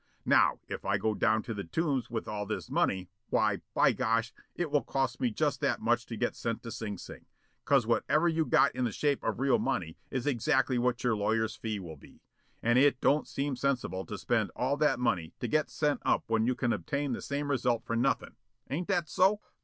Now, if I go down to the Tombs with all this money, why, by gosh, it will cost me just that much to get sent to Sing Sing, 'cause whatever you've got in the shape of real money is exactly what your lawyer's fee will be, and it don't seem sensible to spend all that money to get sent up when you can obtain the same result for nothin'. Ain't that so?"